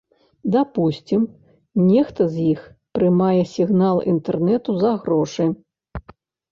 Дапусцім, нехта з іх прымае сігнал інтэрнэту за грошы.